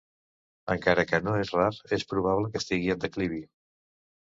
Encara que no és rar, és probable que estigui en declivi.